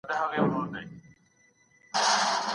مراقبه مو ذهني تمرکز لوړوي.